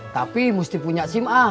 tapi mesti punya sim a